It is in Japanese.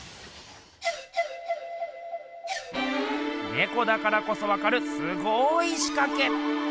ねこだからこそわかるすごいしかけ！